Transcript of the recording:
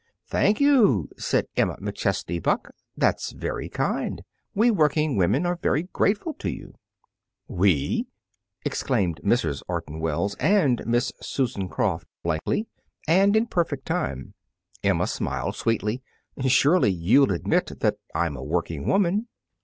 "Thank you!" said Emma McChesney Buck. "That's very kind. We working women are very grateful to you." "We!" exclaimed Mrs. Orton Wells and Miss Susan Croft blankly, and in perfect time. Emma smiled sweetly. "Surely you'll admit that I'm a working woman."